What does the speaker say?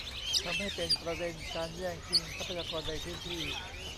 ทำให้เป็นประเด็นการแย่งชิงทรัพยากรในพื้นที่